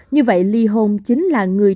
như vậy ly hôn chính là người